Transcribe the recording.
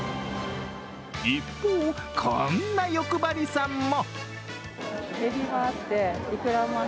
一方、こんな欲張りさんも。